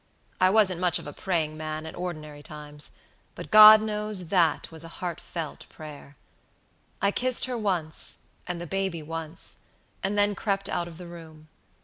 I wasn't much of a praying man at ordinary times, but God knows that was a heartfelt prayer. I kissed her once, and the baby once, and then crept out of the room.